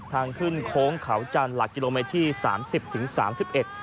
ทางขึ้นโค้งเขาจันทร์หลักกิโลเมตรที่สามสิบถึงสามสิบเอ็ด